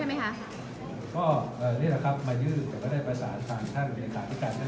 เอ่อเข้าใจว่าท่านท่านรู้ถึงไงแต่ไม่ได้แต่ไม่ได้เรียนโดยตรงใช่ไหมคะ